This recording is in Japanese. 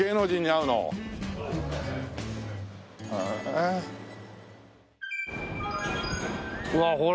うわっほら。